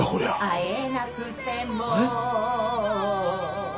「会えなくても」えっ？